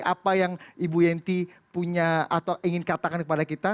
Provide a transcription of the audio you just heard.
apa yang ibu yenty punya atau ingin katakan kepada kita